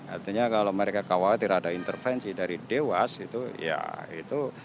artinya kalau mereka khawatir ada intervensi dari dewas itu ya itu